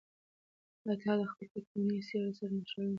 آیا د هغوی تکويني سير سره نښلول مهم دي؟